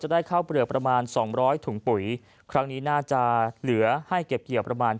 ได้ข้าวเปลือกประมาณสองร้อยถุงปุ๋ยครั้งนี้น่าจะเหลือให้เก็บเกี่ยวประมาณ